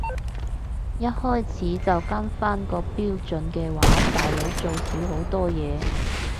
一開始就跟返個標準嘅話大佬做少好多嘢